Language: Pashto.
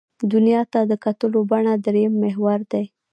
دنیا ته د کتلو بڼه درېیم محور دی.